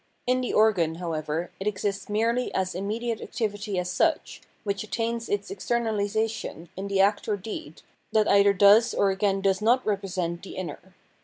In the organ, however, it exists merely as immediate activity as such, which attains its externalisation in the act or deed, that either does or again does not represent the inner.